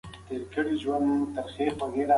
ولې خلک تر فشار لاندې ډېر خوري؟